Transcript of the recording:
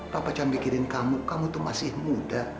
papa jangan memikirkan kamu kamu itu masih muda